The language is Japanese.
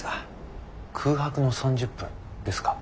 空白の３０分ですか。